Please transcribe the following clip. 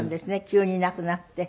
急に亡くなって。